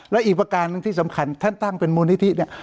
และอีกประการหนึ่งที่สำคัญท่านตั้งเป็นมูลนิธิเนี่ย